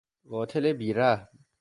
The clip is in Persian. قاتل بیرحم